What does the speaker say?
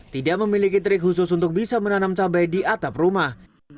tidak memiliki trik khusus untuk bisa menanam cabai di atap rumah